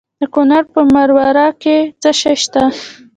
د کونړ په مروره کې څه شی شته؟